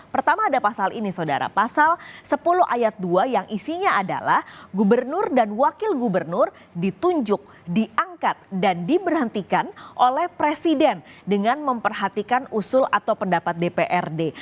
pertama ada pasal ini saudara pasal sepuluh ayat dua yang isinya adalah gubernur dan wakil gubernur ditunjuk diangkat dan diberhentikan oleh presiden dengan memperhatikan usul atau pendapat dprd